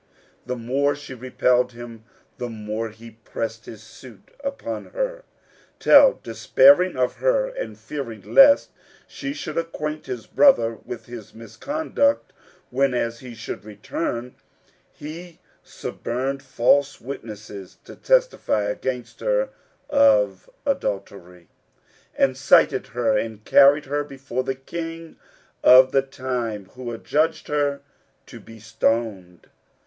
The more she repelled him, the more he pressed his suit upon her; till, despairing of her and fearing lest she should acquaint his brother with his misconduct whenas he should return, he suborned false witnesses to testify against her of adultery; and cited her and carried her before the King of the time who adjudged her to be stoned.